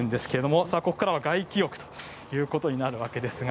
ここからは外気浴ということになるわけです。